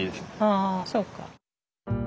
あそうか。